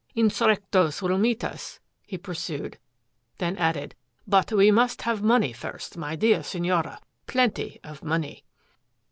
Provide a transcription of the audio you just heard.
"Insurrectos will meet us," he pursued, then added, "but we must have money, first, my dear Senora, plenty of money."